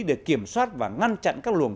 để kiểm soát và ngăn chặn các luồng